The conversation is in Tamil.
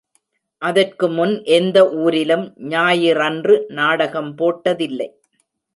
அதற்குமுன் எந்த ஊரிலும் ஞாயிறன்று நாடகம் போட்டதில்லை.